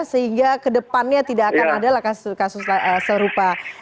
sehingga kedepannya tidak akan adalah kasus serupa